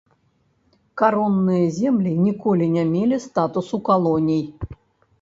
Каронныя землі ніколі не мелі статусу калоній.